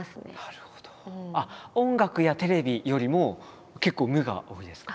音楽やテレビよりも結構無が多いですか？